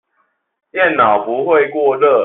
電腦不會過熱